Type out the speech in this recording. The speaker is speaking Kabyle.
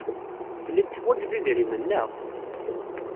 Tellid teḥwajed idrimen, naɣ?